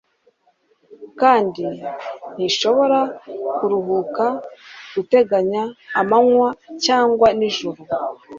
Kandi ntishobora kuruhuka guteganya amanywa cyangwa nijoro